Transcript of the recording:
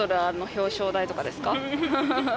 あの表彰台とかですか？